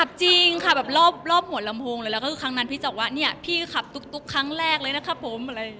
จริงค่ะแบบรอบหัวลำโพงเลยแล้วก็คือครั้งนั้นพี่จะบอกว่าเนี่ยพี่ขับตุ๊กครั้งแรกเลยนะครับผมอะไร